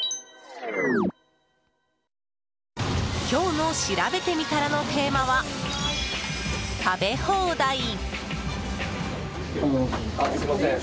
今日のしらべてみたらのテーマは食べ放題。